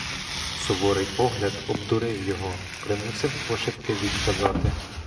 Суворий погляд обдурив його, примусив пошепки відказати.